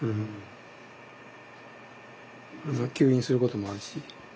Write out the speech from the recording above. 吸引することもあるし。